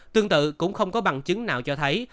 tương tự cũng không có bằng chứng nào cho thấy